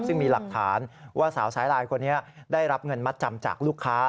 ซึ่งมีหลักฐานว่าสาวสายลายคนนี้ได้รับเงินมัดจำจากลูกค้า